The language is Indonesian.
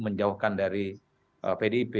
menjauhkan dari pdip